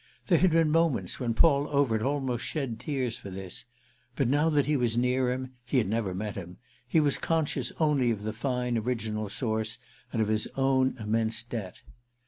There had been moments when Paul Overt almost shed tears for this; but now that he was near him—he had never met him—he was conscious only of the fine original source and of his own immense debt.